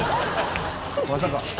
「まさか」